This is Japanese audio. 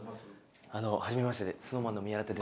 はじめましてＳｎｏｗＭａｎの宮舘と申します。